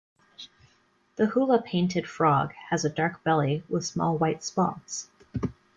The Hula painted frog has a dark belly with small white spots.